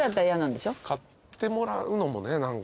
買ってもらうのもね何か。